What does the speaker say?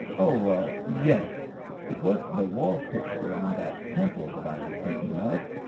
"Oh, yes; it was the wall picture on that temple that I was thinking of.